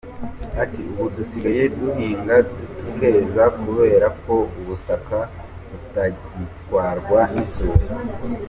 Ati “Ubu dusigaye duhinga tukeza, kubera ko ubutaka butagitwarwa n’isuri.